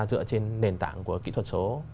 dựa trên nền tảng của kỹ thuật số